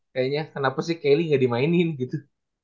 kayanya kenapa sih kelly gak dimainin gitu